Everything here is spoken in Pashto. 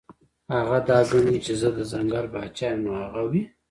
هغه دا ګڼي چې زۀ د ځنګل باچا يمه نو هغه وي -